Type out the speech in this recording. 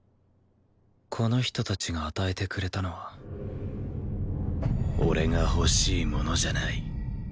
この人たちが与えてくれたのは俺が欲しいものじゃない